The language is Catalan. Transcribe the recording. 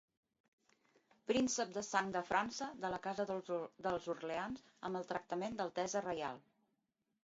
Príncep de sang de França de la casa dels Orleans amb el tractament d'altesa reial.